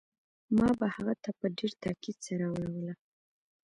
ما به هغه ته په ډېر تاکيد سره اوروله.